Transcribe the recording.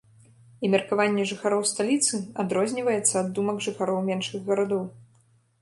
І меркаванне жыхароў сталіцы адрозніваецца ад думак жыхароў меншых гарадоў.